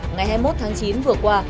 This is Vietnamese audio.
ngày hai mươi một tháng chín vừa qua